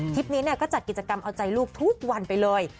นี้ก็จัดกิจกรรมเอาใจลูกทุกวันไปเลย